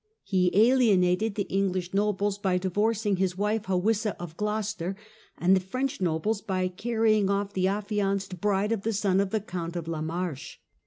He alienated the English nobles by divorcing his wife Hawisa of Gloucester, and the French nobles by carrying off the affianced bride of the son of the Count of la Marche.